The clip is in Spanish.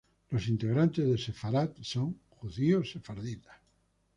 Los integrantes de Sefarad son judíos sefarditas.